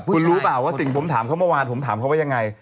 แล้วคุณรู้เปล่าคุณแต่งงานกันรึยัง